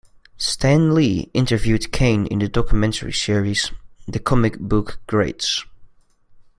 Stan Lee interviewed Kane in the documentary series "The Comic Book Greats".